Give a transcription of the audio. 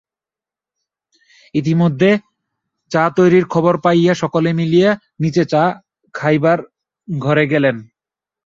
ইতিমধ্যে চা তৈরির খবর পাইয়া সকলে মিলিয়া নীচে চা খাইবার ঘরে গেলেন।